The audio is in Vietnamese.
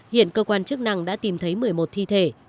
hiện cơ quan chức năng đã tìm thấy một mươi một thi thể